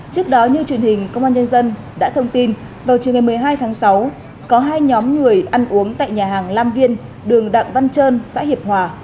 trước đó như truyền hình công an nhân dân đã thông tin vào trường ngày một mươi hai tháng sáu có hai nhóm người ăn uống tại nhà hàng lam viên đường đặng văn trơn xã hiệp hòa